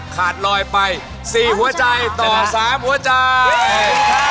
ขาดลอยไป๔หัวใจต่อ๓หัวใจ